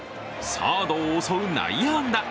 サードを襲う内野安打。